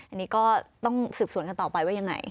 อันนี้ก็ต้องสืบสวนกันต่อไปว่ายังไง